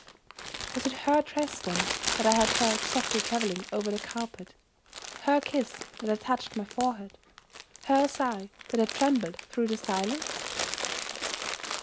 Was it her dress, then, that I had heard softly traveling over the carpet; her kiss that had touched my forehead; her sigh that had trembled through the silence?